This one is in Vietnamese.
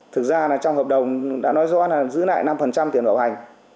thực ra là trong hợp đồng đã nói rõ là giữ lại năm tiền bảo hành